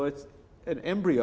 jadi ini adalah embryo